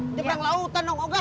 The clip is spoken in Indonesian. ini perang lautan dong kok gak